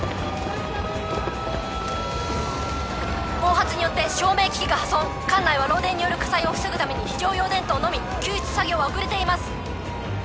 暴発によって照明機器が破損館内は漏電による火災を防ぐために非常用電灯のみ救出作業は遅れています